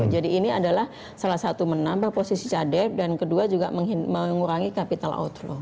jadi ini adalah salah satu menambah posisi cadef dan kedua juga mengurangi capital outflow